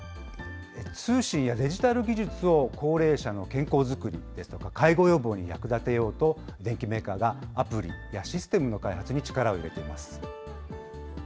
通信やデジタル技術を高齢者の健康作りですとか、介護予防に役立てようと、電機メーカーが、アプリやシステムの開発に力を入れています。